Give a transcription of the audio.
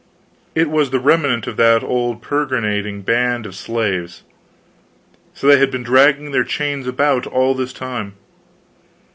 It was the remnant of that old peregrinating band of slaves! So they had been dragging their chains about, all this weary time.